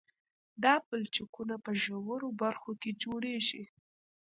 دا پلچکونه په ژورو برخو کې جوړیږي